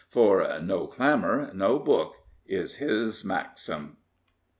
For " No clamour, no book," is his maxim.